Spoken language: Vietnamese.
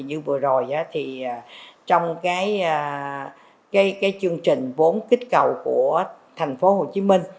như vừa rồi trong chương trình vốn kích cầu của tp hcm